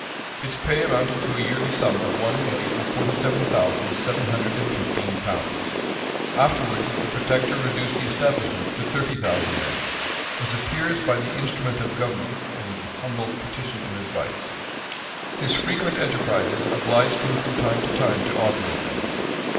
Its pay amounted to a yearly sum of one million forty seven thousand seven hundred and fifteen pounds.[] Afterwards the protector reduced the establishment to thirty thousand men; as appears by the "instrument of government and humble petition and advice." His frequent enterprises obliged him from time to time to augment them.